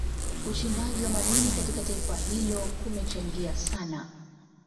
Uchimbaji wa madini katika taifa hilo kumechangia sana